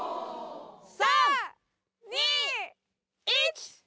３２１！